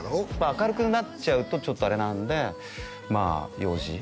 明るくなっちゃうとちょっとあれなんでまあ４時？